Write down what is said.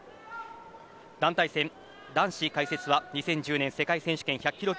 団体戦男子解説は２０１０年世界選手権１００キロ